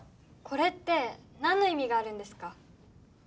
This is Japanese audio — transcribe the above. これって何の意味があるんですか？